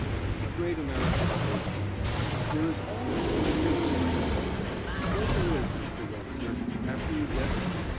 A great American statesman said, "There is always plenty of room at the top." So there is, Mr. Webster, after you get there.